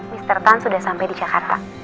mr tan sudah sampai di jakarta